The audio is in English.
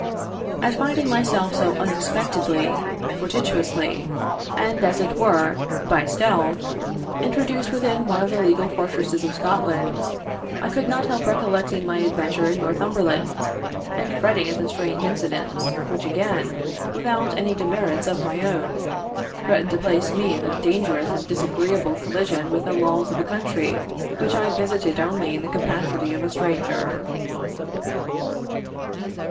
At finding myself so unexpectedly, fortuitously, and, as it were, by stealth, introduced within one of the legal fortresses of Scotland, I could not help recollecting my adventure in Northumberland, and fretting at the strange incidents which again, without any demerits of my own, threatened to place me in a dangerous and disagreeable collision with the laws of a country which I visited only in the capacity of a stranger.